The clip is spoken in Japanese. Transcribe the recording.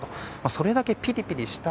それだけピリピリした